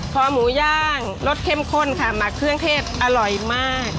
พอหมูย่างรสเข้มข้นค่ะหมักเครื่องเทศอร่อยมาก